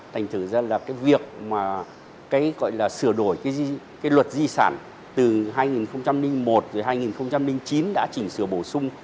thành thử ra là cái việc mà cái gọi là sửa đổi cái luật di sản từ hai nghìn một rồi hai nghìn chín đã chỉnh sửa bổ sung